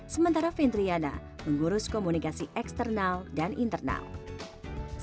sementara fendriana mengurus komunikasi eksternal dan internal